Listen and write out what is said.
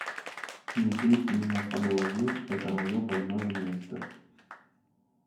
Не бейте меня по голове, это мое больное место.